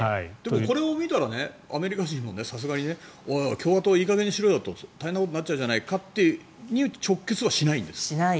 これを見たらアメリカ人もさすがにおいおい共和党いい加減にしろよと大変なことになっちゃうよということにしないですね。